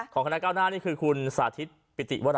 คณะเก้าหน้านี่คือคุณสาธิตปิติวร